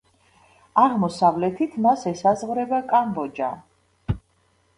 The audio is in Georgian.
აღმოსავლეთით მას ესაზღვრება კამბოჯა.